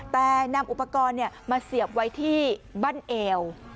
แต่นำอุปกรณ์มาเสียบไว้ที่บ้านเอว